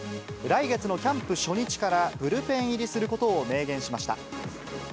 来月のキャンプ初日から、ブルペン入りすることを明言しました。